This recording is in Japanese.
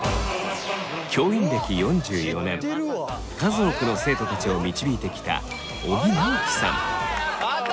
教員歴４４年数多くの生徒たちを導いてきた尾木直樹さん。